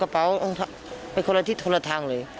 สวัสดีครับ